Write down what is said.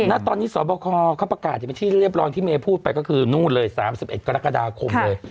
ณตอนนี้สวบคเขาประกาศอยู่ที่เรียบร้อยที่เมฆพูดไปก็คือนู้นเลยสามสิบเอ็ดกรดาคมเลย